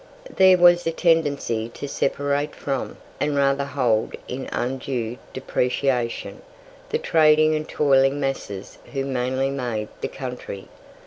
There was a tendency to separate from, and rather hold in undue depreciation, the trading and toiling masses who mainly made the country.